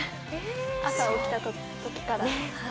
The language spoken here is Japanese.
朝、起きたときから。